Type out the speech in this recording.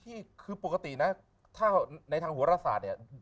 พี่คือปกตินะถ้าในทางหัวรศาสตร์เนี่ย